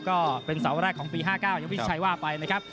ก็เป็นเสาแรกของปี๕๙อย่างพี่ชัยว่าไปนะครับ